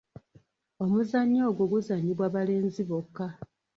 Omuzannyo ogwo guzannyibwa balenzi bokka.